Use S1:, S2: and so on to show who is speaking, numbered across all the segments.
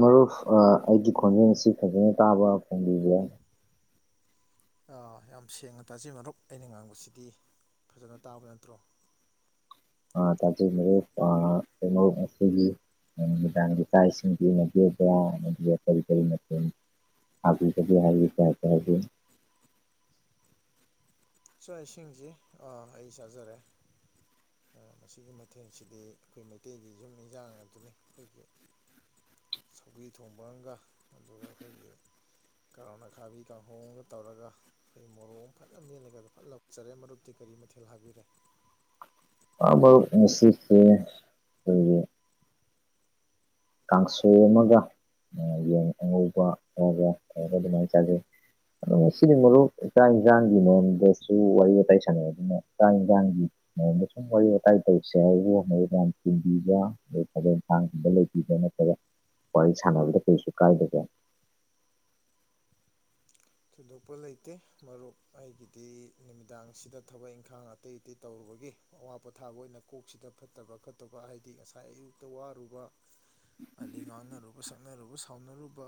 S1: ꯃꯔꯨꯞ ꯑꯩꯒꯤ ꯈꯣꯟꯖꯦꯜꯁꯤ ꯐꯖꯅ ꯇꯥꯕ ꯐꯣꯡꯕꯤꯁꯦ
S2: ꯑ ꯌꯥꯝ ꯁꯦꯡꯅ ꯇꯥꯖꯩ ꯃꯔꯨꯞ ꯑꯩꯅ ꯉꯥꯡꯕꯁꯤꯗꯤ ꯐꯖꯅ ꯇꯥꯕ ꯅꯠꯇ꯭ꯔꯣ
S1: ꯑ ꯇꯖꯩ ꯃꯒꯤ [inaudible] ꯅꯨꯃꯤꯗꯥꯡꯒꯤ ꯆꯥ ꯏꯁꯤꯡ ꯃꯗ ꯀꯔꯤ ꯀꯔꯤ ꯃꯇ ꯑꯗꯨꯕꯤ ꯍꯥꯏ ꯇ ꯇꯕꯤ [inaudible]
S2: ꯆꯥꯛ ꯏꯁꯤꯡꯁꯤ ꯑꯥ ꯑꯩ ꯆꯥꯖꯔꯦ ꯃꯁꯤꯒꯤ ꯃꯊꯦꯜꯁꯤꯗꯤ ꯑꯩꯈꯣꯏ ꯃꯩꯇꯩꯒꯤ ꯌꯨꯝ ꯏꯟꯖꯥꯡ ꯑꯗꯨꯅꯤ ꯑꯩꯈꯣꯏꯒꯤ ꯁꯧꯔꯤ ꯊꯣꯡꯕ ꯑꯃꯒ ꯑꯗꯨꯒ ꯑꯩꯈꯣꯏꯒꯤ ꯀꯔꯣꯅꯥ ꯈꯥꯕꯤ ꯀꯥꯡꯍꯣꯡꯝꯒ ꯇꯧꯔꯒ ꯑꯩꯈꯣꯏ ꯃꯣꯔꯣꯡ ꯐꯖꯅ ꯃꯦꯜꯂꯒꯗ ꯂꯆꯔꯦ ꯃꯔꯨꯞꯇꯤ ꯀꯔꯤ ꯃꯊꯦꯜ ꯍꯥꯕꯤꯔꯦ
S1: ꯑꯕꯁꯤꯦ ꯀ ꯀꯥꯡꯁꯨ ꯑꯃꯒ ꯌꯦꯟ ꯑꯉꯧꯕ ꯑꯣꯏꯔꯥ ꯑꯣꯏꯔꯥ ꯑꯗꯨꯃꯥꯏꯅ ꯇꯥꯖꯩ ꯑꯗꯨ ꯁꯤꯗꯤ ꯃꯔꯨꯞ ꯆꯥ ꯏꯟꯁꯥꯡꯒꯤ ꯃꯝꯗꯁꯨ ꯋꯥꯔꯤ ꯋꯥꯇꯥꯏ ꯁꯥꯟꯅꯩ ꯑꯗꯨꯅ ꯆꯥ ꯏꯟꯖꯥꯡꯒꯤ ꯃꯗ ꯁꯨꯝ ꯋꯥꯔꯤ ꯋꯥꯇꯥꯏ ꯇꯧꯁꯦ ꯍꯥꯏꯕꯨ ꯃ ꯃ ꯆꯤꯟꯕꯤꯕꯕ ꯗ ꯅꯠꯇ ꯋꯥꯔꯤ ꯁꯥꯟꯅꯕꯗ ꯀꯩꯁꯨ ꯀꯥꯏꯗꯒꯦ
S2: ꯊꯣꯏꯗꯣꯛꯄ ꯂꯩꯇꯦ ꯃꯔꯨꯞ ꯑꯩꯒꯤꯗꯤ ꯅꯨꯃꯤꯗꯥꯡꯁꯤꯗ ꯊꯕꯛ ꯏꯪꯈꯥꯡ ꯑꯇꯩ ꯑꯇꯩ ꯇꯧꯔꯨꯕ ꯒꯤ ꯑꯋꯥ ꯄꯣꯊꯥꯕ ꯑꯣꯏꯅ ꯀꯣꯛꯁꯤꯗ ꯐꯠꯇꯕ ꯈꯠꯇꯕ ꯍꯥꯏꯗꯤ ꯉꯁꯥꯏ ꯑꯌꯨꯛꯇ ꯋꯥꯔꯨꯕ ꯑꯗꯩ ꯉꯥꯡꯅꯔꯨꯕ ꯁꯛꯅꯔꯨꯕ ꯁꯥꯎꯅꯔꯨꯕ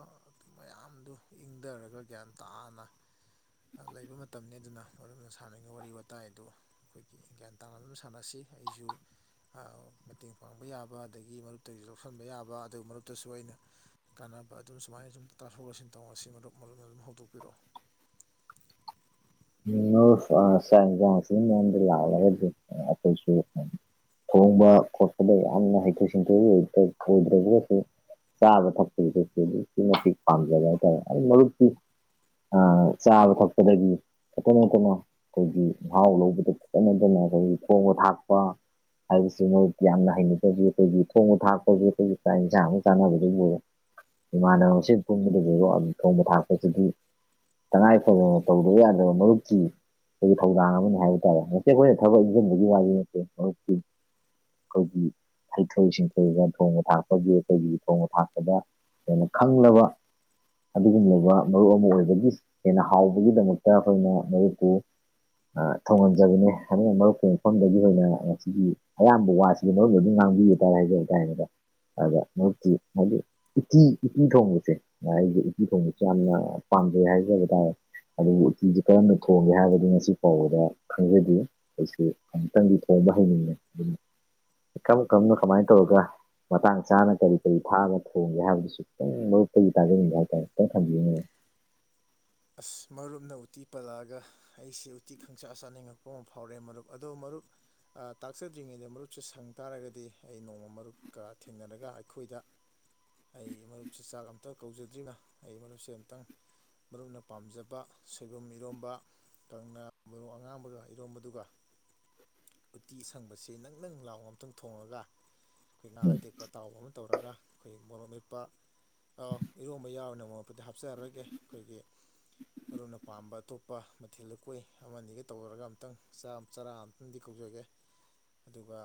S2: ꯃꯌꯥꯝꯗꯨ ꯏꯪꯊꯔꯒ ꯒ꯭ꯌꯥꯟ ꯇ ꯇꯅ ꯂꯩꯕ ꯃꯇꯝꯅꯤ ꯑꯗꯨꯅ ꯃꯔꯝꯅ ꯁꯥꯟꯅꯔꯤꯉꯩ ꯋꯥꯔꯤ ꯋꯥꯇꯥꯏ ꯑꯗꯨ ꯑꯩꯈꯣꯏꯒꯤ ꯒ꯭ꯌꯥꯟ ꯇꯥꯅ ꯑꯗꯨ ꯑꯃ ꯁꯥꯟꯅꯁꯤ ꯍꯥꯏꯁꯨꯨ ꯃꯇꯦꯡ ꯄꯥꯡꯕ ꯌꯥꯕ ꯑꯗꯒꯤ ꯃꯔꯨꯞꯇꯒꯤꯁꯨ ꯂꯧꯁꯤꯟꯕ ꯌꯥꯕ ꯑꯗꯨꯒ ꯃꯔꯨꯞꯇꯁꯨ ꯑꯩꯅ ꯀ ꯑꯗꯨꯝ ꯁꯨꯃꯥꯏꯅ ꯁꯨꯝ ꯇꯥꯊꯣꯛꯑꯁꯤꯟ ꯇꯧꯉ ꯁꯤ ꯃꯔꯨꯞ ꯃꯔꯨꯞ ꯑꯗꯨꯝ ꯍꯧꯗꯣꯛꯄꯤꯔꯛꯑꯣ
S1: ꯁꯤꯡ ꯃ ꯂꯥꯛꯈꯣꯏꯁꯨ ꯊꯣꯡꯕ ꯈꯣꯠꯄꯗ ꯌꯥꯝꯅ ꯍꯩꯊꯣꯏ ꯁꯤꯡꯊꯣꯏ ꯑꯣꯏꯗ꯭ꯔꯒꯒꯁꯨ ꯆꯥꯕ ꯊꯛꯄꯒꯤ ꯊꯄ ꯑꯗꯨꯛꯀꯤ ꯃꯇꯤꯛ ꯄꯥꯝꯖꯕ ꯍꯥꯏꯇꯥꯔꯦ ꯑꯩ ꯃꯔꯨꯞꯀꯤ ꯑꯥ ꯆꯥꯕ ꯊꯛꯄꯗꯒꯤ ꯈꯠꯇ ꯅꯠꯇꯅ ꯑꯩꯈꯣꯏꯒꯤ ꯃꯍꯥꯎ ꯂꯧꯕꯗ ꯈꯇꯅꯠꯇꯅ ꯑꯩꯈꯣꯏꯒꯤ ꯈꯣꯡꯕ ꯊꯥꯛꯄ ꯍꯥꯏꯕꯁꯤ ꯃꯣꯏ ꯌꯥꯝꯅ ꯍꯩꯅꯕꯒꯤ ꯑꯩꯈꯣꯏꯒꯤ ꯊꯣꯡꯕ ꯊꯥꯛꯄꯁꯨ ꯑꯩꯈꯣꯏꯒꯤ ꯆꯥ ꯏꯟꯁꯥꯡ ꯑꯃ ꯆꯥꯅꯕꯗꯒꯤꯕꯨꯔꯦ ꯏꯃꯥꯟꯅꯕꯁꯤ ꯄꯨꯨꯝꯕꯗꯗꯒꯤꯔꯣ ꯊꯣꯡꯕ ꯊꯥꯛꯄꯁꯤꯗꯤ ꯇꯉꯥꯏꯐꯗꯅ ꯇꯧꯗꯕ ꯌꯥꯗ ꯃꯗꯨꯈꯤ ꯑꯩꯈꯣꯏꯒꯤ ꯊꯧꯗꯥꯡ ꯑꯃ ꯍꯥꯏꯕ ꯇꯥꯔꯦ ꯉꯦ ꯑꯩꯈꯣꯏꯅ ꯊꯕꯛ ꯏꯪꯁꯤꯟꯕꯒꯤ ꯃꯥꯒꯤ ꯅꯠꯇꯦ ꯃꯔꯨꯞ ꯑꯩꯈꯣꯏꯒꯤ ꯍꯩꯊꯣꯏ ꯁꯤꯡꯊꯣꯏꯒ ꯊꯣꯡꯕ ꯊꯥꯛꯄꯒꯤ ꯑꯩꯈꯣꯏ ꯊꯣꯡꯕ ꯊꯥꯛꯄꯗ ꯍꯦꯟꯅ ꯈꯪꯂꯕ ꯑꯗꯨꯒꯨꯝꯂꯕ ꯃꯔꯨꯞ ꯑꯃ ꯑꯣꯏꯕꯒꯤ ꯍꯦꯟꯅ ꯍꯥꯎꯕꯒꯤꯗꯃꯛꯇ ꯠꯇꯅ ꯂꯩꯛꯇ ꯊꯣꯡꯍꯟꯖꯕꯅꯤ ꯍꯥꯏꯅ ꯃꯔꯨꯞꯄ ꯃꯐꯝꯗꯒꯤ ꯑꯣꯏꯅ ꯉꯁꯤꯒꯤ ꯑꯌꯥꯝꯕ ꯋꯥꯁꯤ ꯃꯔꯨꯅ ꯉ ꯇ ꯆ ꯑꯗ ꯃꯔꯤ ꯍꯥꯏꯗꯤ ꯎꯇꯤ ꯎꯇꯤ ꯊꯣꯡꯕꯁꯦ ꯑꯩꯗꯤ ꯎꯇꯤ ꯊꯣꯡꯕꯁꯦ ꯌꯥꯝꯅ ꯍꯥꯏꯖꯕ ꯇꯥꯔꯦ ꯑꯗꯨꯕꯨ ꯐꯤꯁꯦ ꯀꯔꯝꯅ ꯊꯣꯡꯒꯦ ꯍꯥꯏꯔꯒꯗꯤ ꯉꯁꯤ ꯐꯥꯎꯕꯗ ꯈꯪꯖꯗꯦ ꯑꯩꯁ ꯑꯃꯨꯛꯇꯪꯗꯤ ꯊꯣꯡꯕ ꯍꯩꯅꯤꯡꯉꯦ ꯎꯝ ꯀꯝ ꯀꯝꯅ ꯀꯃꯥꯏ ꯇꯧꯕꯒ ꯃꯇꯥꯡ ꯆꯥꯅ ꯀꯔꯤ ꯀꯔꯤ ꯊꯥꯛꯑꯒ ꯊꯣꯡꯒꯦ ꯍꯥꯏꯕꯗꯨꯁꯨ ꯈꯤꯇꯪ ꯃꯔꯨꯞꯛꯇꯒꯤ ꯇꯥꯖꯅꯤꯡꯒꯦ ꯍꯥꯏꯇꯥꯔꯦ ꯈꯤꯇꯪ ꯊꯝꯕꯤꯅꯤꯡꯉꯤ [inaudible]
S2: ꯑꯁ ꯃꯔꯨꯞꯅ ꯎꯇꯤ ꯄꯜꯂꯛꯑꯒ ꯑꯩꯁꯦ ꯎꯇꯤ ꯈꯪꯆꯆꯥ ꯆꯥꯅꯤꯡꯉꯛꯄ ꯑꯃ ꯐꯥꯎꯔꯦ ꯃꯔꯨꯞ ꯑꯗꯣ ꯃꯔꯨꯛ ꯇꯥꯛꯆꯗ꯭ꯔꯤꯉꯩꯗ ꯃꯔꯨꯞꯁꯦ ꯁꯪ ꯇꯥꯔꯒꯗꯤ ꯑꯩ ꯅꯣꯡꯃ ꯃꯔꯨꯞꯀ ꯊꯦꯡꯅꯔꯒ ꯑꯩꯈꯣꯏꯗ ꯑꯩ ꯃꯔꯨꯞꯁꯦ ꯆꯥꯛ ꯑꯝꯇ ꯀꯧꯖꯗ꯭ꯔꯤꯅ ꯑꯩ ꯃꯔꯨꯞꯁꯦ ꯑꯃꯨꯇꯪ ꯃꯔꯨꯞꯅ ꯄꯥꯝꯖꯕ ꯁꯣꯏꯕꯨꯝ ꯏꯔꯣꯝꯕ ꯀꯪꯂꯅꯥ ꯃꯔꯨ ꯑꯉꯥꯡꯕꯒ ꯏꯔꯣꯝꯕꯗꯨꯒ
S1: [inaudible]
S2: ꯎꯇꯤ ꯑꯁꯪꯕꯁꯦ ꯅꯪ ꯅꯪ ꯂꯥꯎ ꯑꯇꯪ ꯊꯣꯡꯉꯒ ꯑꯩꯈꯣꯏ ꯉꯥ
S1: ꯎꯝ
S2: ꯑꯇꯦꯛꯄ ꯑꯇꯥꯎꯕ ꯑꯃꯇꯪ ꯇꯧꯔꯒ ꯑꯩꯈꯣꯏ ꯃꯣꯔꯣꯛ ꯃꯠꯄ ꯑꯧ ꯏꯔꯣꯝꯕ ꯌꯥꯎꯔꯅꯦ ꯃꯣꯔꯣ ꯃꯠꯇ ꯍꯥꯞꯆꯔꯔꯣꯏꯒꯦ ꯑꯩꯈꯣꯏꯒꯤ ꯃꯔꯅ ꯄꯥꯝꯕ ꯑꯇꯣꯞꯄ ꯃꯊꯦꯜ ꯂꯀꯣꯏ ꯑꯃꯅꯤꯒ ꯇꯧꯔꯒ ꯑꯃꯝꯛꯇꯪ ꯆꯔꯥ ꯑꯝꯇꯪꯗꯤ ꯀ ꯑꯣꯏꯒꯦ ꯑꯗꯨꯒ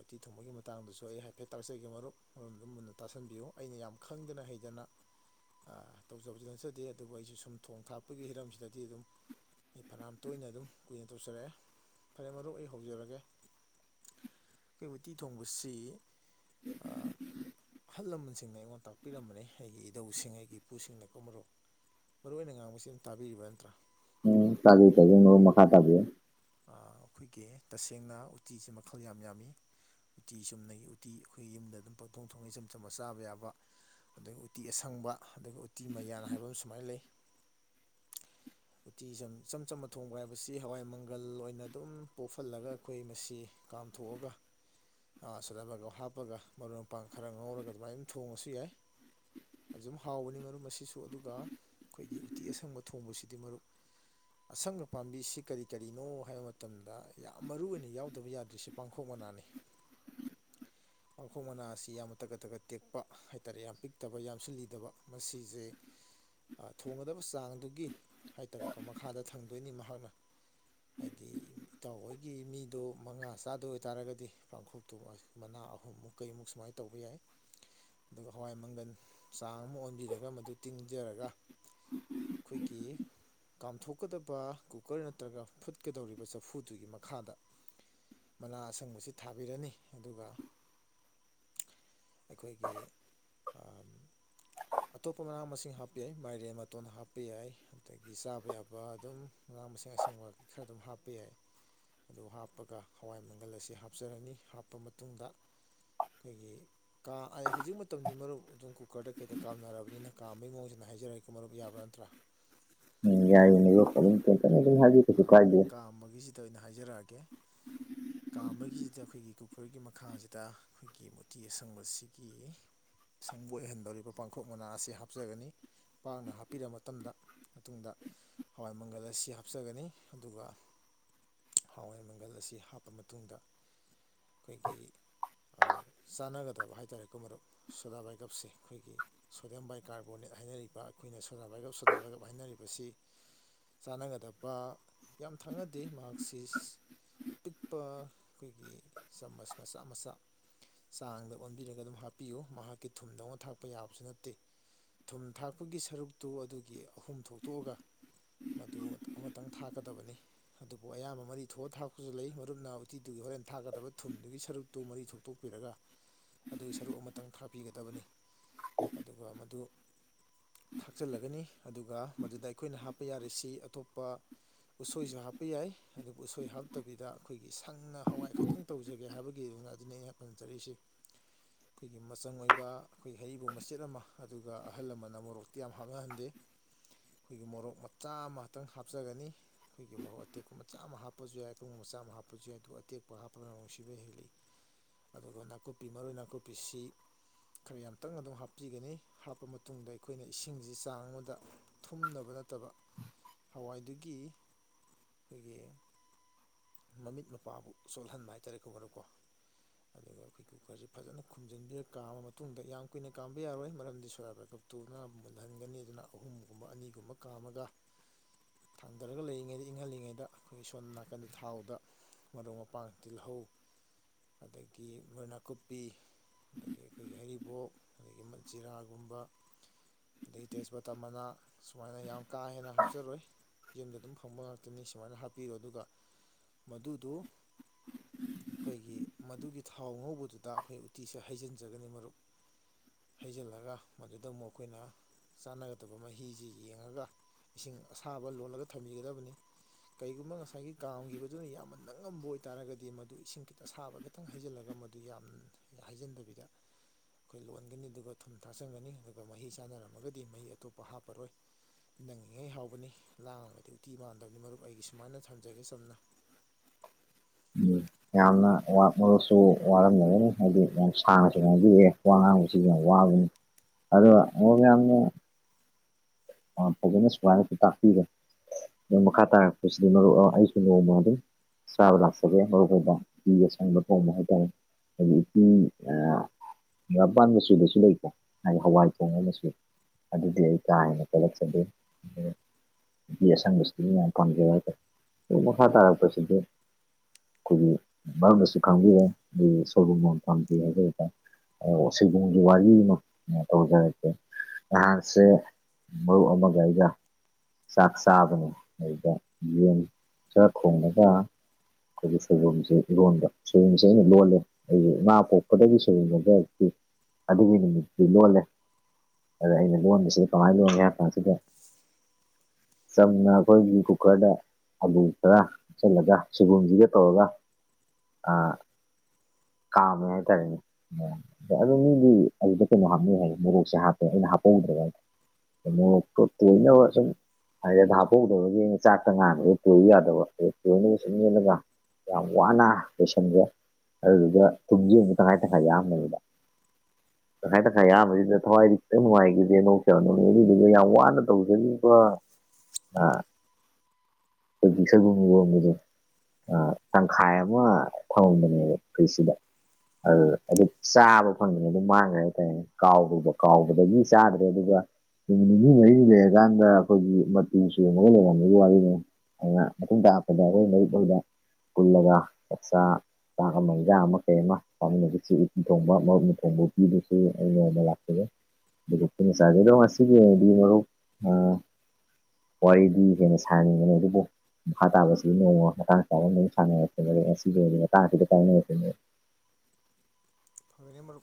S2: ꯑꯇꯤ ꯊꯨꯝꯕꯒꯤ ꯃꯇꯥꯡꯗꯨꯁꯨ ꯑꯩ ꯍꯥꯏꯐꯦꯠ ꯇꯥꯛꯆꯒꯦ ꯃꯔꯨꯞ ꯃꯔ ꯑꯗꯨꯝ ꯃꯨꯟꯅ ꯇꯥꯁꯟꯕꯤꯌꯨ ꯑꯩꯅ ꯌꯥꯝ ꯈꯪꯗꯅ ꯍꯩ ꯗꯅ
S1: [unintelligible]
S2: ꯎꯖꯕꯗꯤ ꯅꯠꯆꯗꯦ ꯑꯗꯨꯕꯨ ꯑꯩꯁꯨ ꯁꯨꯝ ꯊꯣꯡ ꯊꯥꯛꯄꯒꯤ ꯍꯤꯔꯝꯁꯤꯗꯗꯤ ꯑꯗꯨꯝ ꯑꯩ ꯐꯅꯌꯥꯝ ꯇꯣꯏꯅ ꯑꯗꯨꯝ ꯀꯨꯏꯅ ꯇꯧꯆꯔꯛꯑꯦ ꯐꯔꯦ ꯃꯔꯨꯞ ꯑꯩ ꯍꯧꯖꯔꯒꯦ ꯑꯩꯈꯣꯏ ꯎꯇꯤ ꯊꯣꯡꯕꯁꯤ ꯑꯍꯜ ꯂꯃꯟꯁꯤꯡꯅ ꯑꯩꯉꯣꯟꯗ ꯇꯥꯛꯄꯤꯔꯝꯕꯅꯤ ꯑꯩꯒꯤ ꯏꯙꯧꯁꯤꯡ ꯑꯩꯒꯤ ꯏꯄꯨꯁꯤꯡꯅ ꯀꯣ ꯃꯔꯣꯛ ꯃꯔꯨ ꯑꯣꯏꯅ ꯉꯥꯡꯕꯁꯤ ꯑꯗꯨꯝ ꯇꯥꯕꯤꯔꯤꯕꯥ ꯅꯠꯇ꯭ꯔꯥ
S1: ꯎꯝ ꯆꯒꯤ ꯇ ꯃꯈ ꯈꯥ ꯇꯥꯕꯤꯦ
S2: ꯑꯩꯈꯣꯏꯒꯤ ꯇꯁꯦꯡꯅ ꯎꯇꯤꯁꯦ ꯃꯈꯜ ꯌꯥꯝ ꯌꯥꯝꯃꯤ ꯎꯇꯤ ꯆꯨꯝꯅꯒꯤ ꯎꯇꯤ ꯑꯩꯈꯣꯏꯒꯤ ꯌꯨꯝꯗ ꯑꯗꯨꯝ ꯄꯪꯊꯣꯡ ꯊꯣꯡꯅ ꯏꯆꯝ ꯆꯝꯕ ꯆꯥꯕ ꯌꯥꯕ ꯑꯗꯒꯤ ꯎꯇꯤ ꯑꯁꯪꯕ ꯑꯗꯨꯒ ꯎꯇꯤ ꯃꯌꯥꯟ ꯍꯥꯏꯕ ꯑꯃ ꯁꯨꯃꯥꯏꯅ ꯂꯩ
S1: [unintelligible]
S2: ꯎꯇꯤꯆꯝ ꯆꯝꯝꯕ ꯊꯣꯡꯕ ꯍꯥꯏꯕꯁꯤ ꯍꯋꯥꯏꯃꯪ ꯄꯒꯜ ꯑꯣꯏꯅ ꯑꯗꯨꯝ ꯄꯣꯛꯍꯜꯂꯒ ꯑꯩꯈꯣꯏ ꯃꯁꯤ ꯀꯥꯝꯊꯣꯛꯑꯒ ꯑ ꯆꯠꯅꯕꯒ ꯍꯥꯞꯄꯒ ꯃꯔꯨꯞ ꯃꯄꯥꯡ ꯈꯔ ꯉꯧꯔꯒ ꯑꯗꯨꯃꯥꯏꯅ ꯑꯗꯨꯝ ꯊꯣꯡꯉꯁꯨ ꯌꯥꯏ ꯑꯗꯨꯝ ꯍꯥꯎꯕꯅꯤ ꯃꯔꯨꯞ ꯃꯁꯤꯁꯨ ꯑꯗꯨꯒ ꯑꯩꯈꯣꯏꯒꯤ ꯎꯇꯤ ꯑꯁꯪꯕ ꯊꯣꯡꯕꯁꯤꯗꯤ ꯃꯔꯨꯞ ꯑꯁꯪꯕ ꯄꯥꯝꯕꯤꯁꯤ ꯀꯔꯤ ꯀꯔꯤꯅꯣ ꯍꯥꯏꯕ ꯃꯇꯝꯗ ꯌꯥꯝ ꯃꯔꯨꯏ ꯑꯣꯏꯅ ꯌꯥꯎꯗꯕ ꯌꯥꯗ꯭ꯔꯤꯁꯦ ꯄꯥꯡꯈꯣꯛ ꯃꯅꯥꯅꯤ
S1: [unintelligible]
S2: ꯋꯥꯥꯡꯈꯣꯛ ꯃꯅꯥ ꯑꯁꯤ ꯌꯥꯝ ꯇꯛꯀ ꯇꯛꯀꯠ ꯇꯦꯛꯄ ꯍꯥꯏ ꯇꯥꯔꯦ ꯌꯥꯝ ꯄꯤꯛꯇꯕ ꯌꯥꯝꯁꯨ ꯂꯤꯗꯕ ꯃꯁꯤꯁꯦ ꯊꯣꯡꯒꯗꯕ ꯆꯥꯡꯗꯨꯒꯤ ꯍꯥꯏ ꯇꯔꯦꯀꯣ ꯃꯈꯥꯗ ꯊꯪꯗꯣꯏꯅꯤ ꯃꯍꯥꯛꯅ ꯍꯥꯏꯗꯤ ꯏꯇꯥꯎ ꯍꯣꯏꯒꯤ ꯃꯤꯗꯣ ꯃꯉꯥ ꯆꯥꯗ ꯑꯣꯏꯇꯥꯔꯒꯗꯤ ꯄꯥꯡꯈꯣꯛꯇꯨ ꯃꯅꯥ ꯊꯥ ꯑꯍꯨꯝꯃꯨꯛ ꯀꯩꯃꯨꯛ ꯁꯨꯃꯥꯏꯅ ꯇꯧꯕ ꯌꯥꯏ ꯑꯗꯨꯒ ꯍꯋꯥꯏ ꯃꯪꯒꯜ ꯆꯥꯡ ꯑꯃ ꯑꯣꯟꯕꯤꯔꯒ ꯃꯗꯨ ꯇꯤꯡꯖꯔꯒ ꯑꯩꯈꯣꯏꯒꯤ ꯀꯥꯝꯊꯣꯛꯀꯗꯕ ꯀꯨꯀꯔꯅ ꯅꯠꯇ꯭ꯔꯒ ꯐꯨꯠꯀꯗꯧꯔꯤꯕ ꯆꯐꯨꯗꯨꯒꯤ ꯃꯈꯥꯗ ꯃꯅꯥ ꯑꯁꯪꯕꯁꯤ ꯊꯥꯕꯤꯔꯅꯤ ꯑꯗꯨꯒ ꯑꯩꯈꯣꯏꯒꯤ ꯑꯇꯣꯞꯄ ꯃꯅꯥ ꯃꯁꯤꯡ ꯍꯥꯞꯄ ꯌꯥꯏ ꯃꯥꯏꯔꯦ ꯃꯇꯣꯟ ꯍꯥꯞꯄ ꯌꯥꯏ ꯑꯗꯒꯤ ꯆꯥꯕ ꯌꯥꯕ ꯑꯗꯨꯝ ꯃꯅꯥ ꯃꯁꯤꯡ ꯑꯁꯦꯡꯕ ꯈꯔ ꯑꯗꯨꯝ ꯍꯥꯞꯄ ꯌꯥꯏ ꯑꯗꯨ ꯍꯥꯞꯄꯒ ꯍꯋꯥꯏ ꯃꯪꯒꯜ ꯑꯁꯤꯦ ꯍꯥꯞꯆꯔꯅꯤ ꯍꯥꯞꯄ ꯃꯇꯨꯡꯗ ꯑꯩꯈꯣꯏꯒꯤ ꯀꯥ ꯍꯧꯖꯤꯛ ꯃꯇꯝꯗꯤ ꯃꯔꯨꯞ ꯑꯗꯨꯝ ꯀꯨꯀꯔꯗ ꯀꯩꯗ ꯀꯥꯝꯅꯔꯕꯅꯤꯅ ꯀꯥꯝꯕꯩ ꯃꯑꯣꯡꯁꯤꯅ ꯍꯥꯏꯖꯔꯛꯦꯀꯣ ꯃꯔꯨꯞ ꯌꯥꯕ ꯅꯠꯇ꯭ꯔꯥ
S1: ꯎꯝ ꯌꯥꯏꯕ ꯍꯥꯏꯕꯤ ꯀꯩꯁꯨ ꯀꯥꯏꯗ
S2: ꯑꯗ ꯑꯣꯏꯅ ꯍꯥꯏꯖꯔꯛꯑꯒꯦ ꯀꯥꯝꯕꯒꯤꯁꯤꯗ ꯑꯩꯈꯣꯏꯒꯤ ꯀꯨꯀꯔꯒꯤ ꯃꯈꯥꯁꯤꯗ ꯑꯩꯈꯣꯏꯒꯤ ꯃꯣꯇꯤ ꯑꯁꯪꯕꯁꯤꯒꯤ ꯁꯪꯕꯣꯏ ꯑꯣꯏꯍꯟꯗꯧꯔꯤꯕ ꯄꯥꯡꯈꯣꯛ ꯃꯅꯥ ꯑꯁꯤ ꯍꯥꯞꯆꯒꯅꯤ ꯄꯥꯛꯅ ꯍꯥꯞꯄꯤꯔ ꯃꯇꯝꯗ ꯃꯇꯨꯡꯗ ꯍꯋꯥꯏ ꯃꯪꯒꯜ ꯑꯁꯤ ꯍꯥꯞꯆꯒꯅꯤ ꯑꯗꯨꯒ ꯍꯋꯥꯏ ꯃꯪꯒꯜ ꯑꯁꯤ ꯍꯥꯞꯄ ꯃꯇꯨꯡꯗ ꯑꯩꯈꯣꯏꯒꯤ ꯆꯥꯟꯅꯒꯗꯕ ꯍꯥꯏꯇꯥꯔꯦꯀꯣ ꯃꯔꯨꯞ ꯁꯣꯗꯥ ꯕꯥꯏꯒꯞꯁꯦ ꯑꯩꯈꯣꯏꯒꯤ ꯁꯣꯗꯤꯌꯝ ꯕꯥꯏꯀꯥꯔꯕꯣꯅꯦꯠ ꯍꯥꯏꯅꯔꯤꯕ ꯑꯩꯈꯣꯏꯅ ꯁꯣꯗꯥ ꯕꯥꯏꯒꯞ ꯁꯣꯗꯥ ꯕꯥꯏꯒꯞ ꯄ ꯌꯥꯝ ꯊꯥꯡꯅꯗꯦ ꯃꯍꯥꯛꯁꯤ ꯑꯄꯤꯛꯄ ꯑꯩꯈꯣꯏꯒꯤ ꯆꯃꯁ ꯃꯆꯥ ꯃꯆꯥ ꯆꯥꯡꯗ ꯑꯣꯟꯕꯤꯔꯒ ꯑꯗꯨꯝ ꯍꯥꯞꯄꯤꯌꯨ ꯃꯍꯥꯛꯀꯤ ꯊꯨꯝꯗꯧꯅ ꯊꯥꯛꯄ ꯌꯥꯕꯁꯨ ꯅꯠꯇꯦ ꯊꯨꯝ ꯊꯥꯛꯄꯒꯤ ꯁꯔꯨꯛꯇꯨ ꯑꯗꯨꯒꯤ ꯑꯍꯨꯝ ꯊꯣꯛꯇꯣꯛꯑꯒ ꯃꯗꯨ ꯈꯤꯇꯪ ꯊꯥꯛꯀꯗꯕꯅꯤ ꯑꯗꯨꯕꯨ ꯑꯌꯥꯝꯕ ꯃꯔꯤ ꯊꯣꯛꯑ ꯊꯥꯛꯄꯁꯨ ꯂꯩ ꯃꯔꯨꯞꯅ ꯎꯇꯤꯗꯨꯒꯤ ꯍꯣꯔꯦꯟ ꯊꯥꯛꯀꯗꯕ ꯊꯨꯝꯗꯨꯒꯤ ꯑꯗꯨꯒꯤ ꯁꯔꯨꯛꯇꯨ ꯃꯔꯤ ꯊꯣꯛꯇꯣꯛꯄꯤꯔꯒ ꯑꯗꯨꯒꯤ ꯁꯔꯨꯛ ꯑꯃꯇꯪ ꯈꯥꯞꯄꯤꯒꯗꯕꯅꯤ ꯑꯗꯨꯒ ꯃꯗꯨ ꯊꯥꯛꯆꯤꯜꯂꯒꯅꯤ ꯑꯗꯨꯒ ꯃꯗꯨꯗ ꯑꯩꯈꯣꯏꯅ ꯍꯥꯞꯄ ꯌꯥꯔꯤꯁꯤ ꯑꯇꯣꯞꯄ ꯎꯁꯣꯏꯁꯨ ꯍꯥꯞꯄ ꯌꯥꯏ ꯑꯗꯨꯕꯨ ꯎꯁꯣꯏ ꯍꯥꯞꯇꯕꯤꯗ ꯑꯩꯈꯣꯏꯒꯤ ꯁꯪꯅ ꯍꯋꯥꯏ ꯈꯛꯇꯪ ꯇꯧꯖꯒꯦ ꯍꯥꯏꯕꯒꯤ ꯑꯗꯨꯅꯤ ꯑꯩꯩꯅꯥꯛ ꯄꯟꯖꯔꯛꯏꯁꯤ ꯑꯩꯈꯣꯏꯒꯤ ꯃꯆꯪ ꯑꯣꯏꯕ ꯑꯩꯈꯣꯏꯒꯤ ꯍꯩꯔꯤꯕꯨ ꯃꯆꯦꯠ ꯑꯃ ꯑꯗꯨꯒ ꯑꯍꯜ ꯂꯃꯟꯅ ꯃꯣꯔꯣꯛꯇꯤ ꯌꯥꯝ ꯍꯥꯞꯅꯍꯟꯗꯦ
S1: [unintelligible]
S2: ꯈꯣꯏꯒꯤ ꯃꯣꯔꯣꯛ ꯃꯆꯥ ꯑꯃ ꯇꯪ ꯍꯥꯞꯆꯒꯅꯤ ꯑꯈꯣꯏꯒꯤ ꯃꯔꯣꯛ ꯑꯇꯦꯛꯄ ꯃꯆꯥ ꯑꯃ ꯍꯥꯞꯄꯁꯨ ꯌꯥꯏ ꯀꯥꯡꯕ ꯃꯆꯥ ꯑꯃ ꯍꯥꯞꯄꯁꯨ ꯌꯥꯏ ꯑꯗꯨ ꯑꯇꯦꯛꯄ ꯍꯥꯞꯄꯅ ꯅꯨꯡꯁꯤꯕ ꯍꯦꯜꯂꯤ ꯑꯗꯨꯒ ꯅꯥꯀꯨꯞꯄꯤ ꯃꯔꯣꯏ ꯅꯥꯀꯨꯞꯄꯤꯁꯤ ꯈꯔ ꯌꯥꯝ ꯇꯪꯅ ꯑꯗꯨꯝ ꯍꯥꯞꯄꯤꯒꯅꯤ ꯍꯥꯞꯄ ꯃꯇꯨꯡꯗ ꯑꯩꯈꯣꯏꯅ ꯏꯁꯤꯡꯁꯤ ꯆꯥꯡ ꯑꯃꯗ ꯊꯨꯝꯅꯕ ꯅꯠꯇꯕ
S1: [unintelligible]
S2: ꯍꯋꯥꯏꯗꯨꯒꯤ ꯈꯣꯏꯒꯤ ꯃꯃꯤꯠ ꯃꯄꯥꯕꯨ ꯁꯣꯜꯍꯟꯕ ꯍꯥꯏꯇꯥꯔꯦ ꯀꯧꯕꯅꯨꯀꯣ ꯑꯗꯨꯒ ꯑꯩꯈꯣꯏ ꯀꯨꯀꯔꯁꯤ ꯐꯖꯅ ꯈꯨꯝꯖꯤꯟꯕꯤꯔ ꯀꯥꯝꯃ ꯃꯇꯨꯡꯗ ꯌꯥꯝ ꯀꯨꯏꯅ ꯀꯥꯝꯕꯕ ꯌꯥꯔꯣꯏ ꯃꯔꯝꯗꯤ ꯁꫭꯌꯥ ꯕꯦꯀꯞ ꯇꯨꯅ ꯃꯨꯟꯍꯟꯒꯅꯤ ꯑꯗꯨꯅ ꯑꯍꯨꯝꯒꯨꯝꯕ ꯑꯅꯤꯒꯨꯝꯕ ꯀꯥꯝꯑꯒ ꯊꯥꯡꯗꯔꯒ ꯂꯩꯔꯤꯉꯩꯗ ꯏꯪꯍꯜꯂꯤꯉꯩꯗ ꯑꯩꯈꯣꯏꯒꯤ ꯁꯣꯝ ꯅꯥꯀꯟꯗ ꯊꯥꯎꯗ ꯃꯔꯨꯞ ꯃꯄꯥꯡ ꯇꯤꯜꯍꯧ ꯑꯗꯒꯤ ꯃꯣꯏ ꯅꯥꯀꯨꯞꯄꯤ ꯑꯗꯒꯤ ꯑꯩꯈꯣꯏꯒꯤ ꯍꯩꯔꯤꯕꯣꯞ ꯑꯗꯒꯤ ꯃ ꯖꯤꯔꯥꯒꯨꯝꯕ ꯑꯗꯒꯤ ꯇꯦꯖꯄꯇꯥ ꯃꯅꯥ ꯁꯨꯃꯥꯏꯅ ꯌꯥꯝ ꯀꯥ ꯍꯦꯟꯅ ꯍꯥꯞꯆꯔꯣꯏ ꯌꯨꯝꯗ ꯑꯗꯨꯝ ꯐꯪꯕ ꯉꯥꯛꯇꯅꯤ ꯁꯨꯃꯥꯏꯅ ꯍꯥꯞꯄꯤꯔꯣ ꯑꯗꯨꯒ ꯃꯗꯨꯗꯨ ꯑꯩꯈꯣꯏꯒꯤ ꯃꯗꯨꯒꯤ ꯊꯥꯎ ꯉꯧꯕꯗꯨꯗ ꯑꯩꯈꯣꯏ ꯎꯇꯤꯁꯦ ꯍꯩꯖꯤꯟꯖꯒꯅꯤ ꯃꯔꯨꯞ꯫ ꯍꯩꯖꯤꯜꯂꯒ ꯃꯗꯨꯗ ꯑꯃꯨꯛ ꯑꯈꯣꯏꯅ ꯆꯥꯅꯒꯗꯕ ꯃꯍꯤꯁꯤ ꯌꯦꯡꯑꯒ ꯏꯁꯤꯡ ꯑꯁꯥꯕ ꯂꯣꯜꯂꯒ ꯊꯝꯕꯤꯒꯗꯕꯅꯤ꯫ ꯀꯩꯒꯨꯝꯕ ꯉꯁꯥꯏꯒꯤ ꯀꯥꯝꯈꯤꯕꯗꯨꯅ ꯌꯥꯝꯅ ꯅꯪꯉꯝꯕ ꯑꯣꯏꯇꯥꯔꯒꯗꯤ ꯃꯗꯨ ꯏꯁꯤꯡ ꯈꯤ ꯑꯁꯥꯕ ꯈꯤꯇꯪ ꯍꯩꯖꯤꯜꯂꯒ ꯃꯗꯨ ꯌꯥꯝ ꯍꯥꯏꯖꯟꯗꯕꯤꯗ ꯑꯩꯈꯣꯏ ꯂꯣꯟꯒꯅꯤ ꯑꯗꯨꯒ ꯊꯨꯝ ꯊꯥꯖꯟꯒꯅꯤ ꯑꯗꯨꯒ ꯃꯍꯤ ꯆꯥꯅꯔꯝꯃꯒꯗꯤ ꯃꯍꯤ ꯑꯇꯣꯞꯄ ꯍꯥꯞꯑꯔꯣꯏ꯫ ꯅꯪꯉꯉꯩ ꯍꯥꯎꯕꯅꯤ ꯂꯥꯡꯉꯒꯗꯤ ꯎꯇꯤ ꯃꯥꯟꯗꯕꯅꯤ ꯃꯔꯨꯞ ꯑꯩꯒꯤ ꯁꯨꯃꯥꯏꯅ ꯊꯝ ꯖꯒꯦ ꯁꯝꯅ
S1: ꯎꯝ ꯌꯥꯝꯅ ꯋꯥꯠꯅꯁꯨ ꯋꯥꯠꯔꯝꯒꯅꯤ ꯍꯥꯏꯗꯤ ꯌꯥꯝ ꯁꯥꯡꯅꯁꯨꯗꯤ ꯋꯥ ꯌꯥꯝ ꯋꯥꯕꯅꯤ ꯑꯗꯨꯒ ꯑꯃ ꯃꯌꯥꯝꯅ ꯑ ꯐꯖꯅ ꯁꯨꯃꯥꯏꯅꯁꯨ ꯇꯥꯛꯄꯤꯔꯦ‌꯫ ꯎꯝ ꯃꯈꯥ ꯇꯥꯔꯛꯄꯁꯤꯗꯤ ꯃꯔꯨꯞ ꯑꯩꯁꯨ ꯅꯣꯡꯃ ꯑꯗꯨꯝ ꯆꯥꯕ ꯂꯥꯛꯆꯒꯦ ꯍꯧꯔꯛ ꯐꯥꯎꯕ ꯎꯇꯤ ꯑꯁꯪꯕ ꯊꯣꯡꯕ ꯍꯥꯏꯇꯥꯔꯦ꯫ [inaudible] ꯃꯄꯥꯟ ꯃꯆꯨꯒꯁꯨ ꯂꯩꯀꯣ ꯍꯥꯏꯗꯤ ꯍꯋꯥꯏ ꯊꯣꯡꯕ ꯃꯆꯨ ꯑꯗꯨꯗꯤ ꯑꯩ ꯀꯥꯏꯅ꯫ [inaudible] ꯎꯇꯤ ꯑꯁꯪꯕꯁꯤ ꯃꯤꯅꯌꯥꯝ ꯄꯥꯞꯖꯩ ꯍꯥꯏꯇꯥꯔꯦ ꯃꯈꯥ ꯇꯥꯔꯛꯄꯁꯤꯗꯤ ꯑꯩꯈꯣꯏꯒꯤ ꯃꯔꯨꯞꯅꯁꯨ ꯈꯪꯕꯤꯔꯦ꯫ [inaudible] ꯑ ꯁꯤꯒꯨꯝꯒꯤ ꯋꯥꯔꯤꯃ ꯇꯧꯖꯔꯛꯀꯦ ꯅꯍꯥꯟꯁꯦ ꯃꯔꯨꯞ ꯑꯃꯒ ꯑꯩꯒ ꯆꯥꯛ ꯆꯥꯕꯅꯦ ꯑꯗꯨꯗ ꯌꯦꯟ ꯆꯥꯛ ꯊꫭꯡꯑꯒꯥ ꯑꯩꯈꯣꯏꯒꯤ ꯁꯣꯏꯕꯨꯝꯁꯦ ꯏꯔꯣꯟꯕ ꯁꯣꯏꯕꯨꯝꯁꯦ ꯑꯩꯅ ꯂꯣꯜꯂꯦ ꯑꯩꯒꯤ ꯏꯃꯥ ꯄꯣꯛꯄꯗꯒꯤ ꯁꯣꯏꯕꯨꯝꯗꯨꯒꯛꯇꯤ꯫ ꯑꯗꯨꯒꯤ ꯅꯨꯃꯤꯠꯇꯨ ꯂꯣꯜꯂꯦ ꯑꯗꫭ ꯑꯩꯅ ꯂꯣꯟꯕꯁꯤꯗ ꯀꯃꯥꯏꯅ ꯂꯣꯜ ꯁꯤꯗ ꯆꯝꯅ ꯑꯩꯈꯣꯏꯒꯤ ꯀꯨꯀꯔꯗ ꯑꯂꯨ ꯈꯔ ꯍꯥꯞꯆꯜꯂꯒ ꯁꯣꯏꯕꯨꯝꯁꯤꯒ ꯇꯧꯔꯒ ꯑꯥ [unintelligible] ꯀꯥꯝꯃꯦ ꯍꯥꯏꯇꯥꯔꯦꯅꯦ ꯑ ꯑꯗꯨꯣ ꯃꯤꯗꯤ ꯑꯩꯗ ꯀꯩꯅꯣ ꯍꯥꯞꯅꯤ ꯍꯥꯏꯦ ꯃꯣꯔꯣꯛꯁꯦ ꯍꯥꯞꯄꯦ ꯑꯩꯅ ꯍꯥꯞꯄꯧꯗ꯭ꯔꯦ꯫ [unintelligible] ꯍꯥꯏꯗꯤ ꯑꯗ ꯍꯥꯞꯄꯧꯗꯕꯒꯤ ꯆꯥꯛꯇ ꯉꯥ ꯔꯦ ꯇꯣꯏ ꯌꯥꯗꯕ꯫ [inaudible] ꯌꯥꯝ ꯋꯥꯅ ꯂꯣꯏꯁꯟꯁꯦ ꯑꯗꯨꯗꯨꯒ ꯊꯨꯝ ꯌꯦꯡꯕ ꯇꯪꯉꯥꯏ ꯇꯈꯥꯏ ꯌꯥꯝꯕꯅꯤꯗ꯫ ꯇꯪꯈꯥꯏ ꯇꯪꯈꯥꯏ ꯌꯥꯝꯕꯁꯤꯗ ꯊꯋꯥꯏꯗꯤ ꯈꯤꯇꯪ ꯅꯨꯡꯉꯥꯏꯈꯤꯗꯦ꯫ [unintelligible] ꯑꯗꯨꯗꯨꯒ ꯌꯥꯝ ꯋꯥꯅ ꯇꯧꯖꯒꯤꯕꯥ ꯑꯥ ꯄꯁꯒꯉꯕ ꯃꯗꯨ ꯇꯪꯈꯥꯏ ꯑꯃ ꯊꯕꯅꯦꯕ ꯐ꯭ꯔꯤꯁꯤꯗ ꯑꯗꯨ ꯑꯗꯨ ꯆꯥꯕ ꯐꯪꯗꯅꯦ ꯑꯗꯨꯝ ꯃꯥꯡꯈ꯭ꯔꯦ ꯍꯥꯏꯇꯥꯔꯦꯅꯦ ꯀꯥꯎꯕ ꯀꯥꯎꯕꯗꯒꯤ ꯆꯥꯗ꯭ꯔꯦ ꯑꯗꯨꯒ ꯅꯨꯃꯤꯠ ꯅꯤꯅꯤ ꯃꯔꯤꯅꯤ ꯂꯩꯔꯀꯥꯟꯗ ꯑꯩꯈꯣꯏꯒꯤ ꯃꯇꯨ ꯁꯦꯝꯃꯒ ꯂꯩꯔꯝꯕꯒꯤ ꯋꯥꯔꯤꯅꯦ ꯑꯗꯨꯩꯅ ꯃꯇꯨꯡ ꯇꯥꯔꯛꯄꯗ ꯑꯩꯈꯣꯏ ꯃꯔꯤ ꯐꯥꯎꯗ ꯀꯨꯜꯂꯒ ꯆꯥꯛꯆꯥ ꯆꯥꯛ ꯑꯃ ꯃꯖ ꯑꯃ ꯀꯩ ꯑꯃ ꯐ ꯎ ꯊꯣꯡꯕ ꯃꯔꯨꯞꯨ ꯊꯣꯡꯕ ꯄꯤꯗꯨꯁꯨ ꯑꯩ ꯅꯣꯡꯃ ꯂꯥꯛꯆꯒꯦ ꯆꯗꯁꯤꯒꯤꯗꯤ ꯃꯔ ꯋꯥꯔꯤꯗꯤ ꯍꯦꯟꯅ ꯁꯥꯅꯤꯡꯕꯅꯤ ꯑꯗꯨꯕꯨ ꯃꯈꯥ ꯇꯥꯕꯁꯤꯒꯤ ꯅꯣꯡꯃ ꯃꯇ ꯑꯗꯨꯝ ꯁꯥꯟꯅꯔ ꯉ ꯑꯁꯤꯒꯤ ꯃꯇꯥꯁꯤꯗ ꯀꯥꯏꯅꯔꯅꯦ [unintelligible]
S2: ꯐꯅꯤ ꯃꯔ